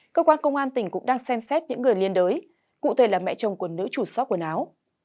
cơ quan công an tỉnh cũng đang xem xét những người liên đới cụ thể là mẹ chồng của nữ chủ sóc quần áo